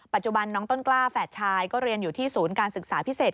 ปัจจุบันน้องต้นกล้าแฝดชายก็เรียนอยู่ที่ศูนย์การศึกษาพิเศษ